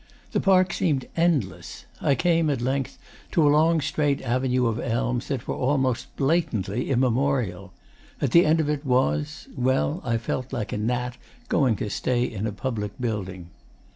The park seemed endless. I came, at length, to a long straight avenue of elms that were almost blatantly immemorial. At the end of it was well, I felt like a gnat going to stay in a public building.